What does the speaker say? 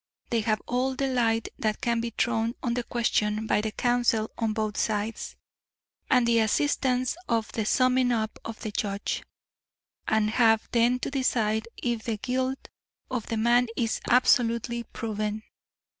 They have all the light that can be thrown on the question by the counsel on both sides, and the assistance of the summing up of the judge, and have then to decide if the guilt of the man is absolutely proven.